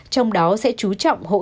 trong đó sẽ chú trọng hỗ trợ